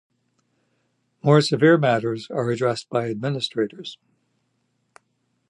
More severe matters are addressed by administrators.